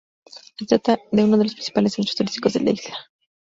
Se trata de uno de los principales centros turísticos de la isla.